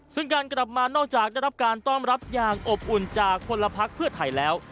ซึ่งการกลับมานอกจากได้รับการต้อนรับอย่างอบอุ่นจากคนละพักเพื่อไทยแล้ว